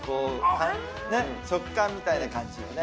あ食感みたいな感じよね？